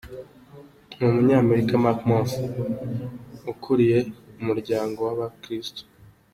n'umunyamerika Mark Mohr wakuriye mu muryango w'abakristo.